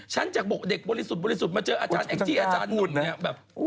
ฉันจากบกเด็กบริสุทธิ์มาเจออาจารย์แองจี้อาจารย์หนุ่ม